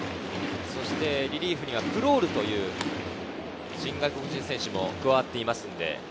リリーフにはクロールという新外国人選手も加わっています。